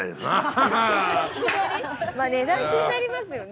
値段気になりますよね